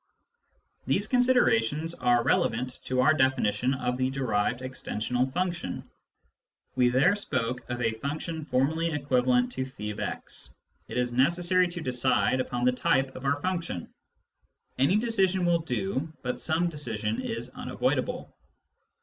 These considerations are relevant to our definition of the derived extensional function. We there spoke of " a function formally equivalent to <[>x." It is necessary to decide upon the type of our function. Any decision will do, but some decision is unavoidable.